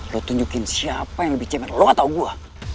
lo tunjukin siapa yang lebih cemen lo atau gue